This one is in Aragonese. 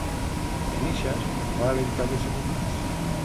Y en ixas va alentar de segundas.